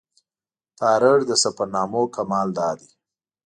تارړ د سفرنامو کمال دا دی.